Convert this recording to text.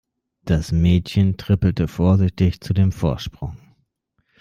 Das Mädchen trippelte vorsichtig zu dem Vorsprung.